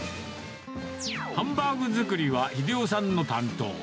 ハンバーグ作りは英夫さんの担当。